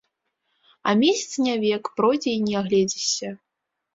А месяц не век, пройдзе, і не агледзішся.